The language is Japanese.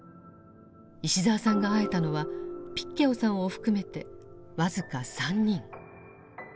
石澤さんが会えたのはピッ・ケオさんを含めて僅か３人。